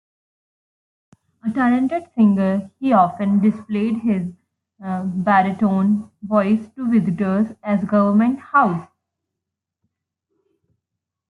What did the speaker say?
A talented singer, he often displayed his baritone voice to visitors at Government House.